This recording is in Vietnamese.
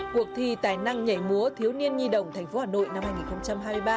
cuộc thi tài năng nhảy múa thiếu niên nhi đồng tp hà nội năm hai nghìn hai mươi ba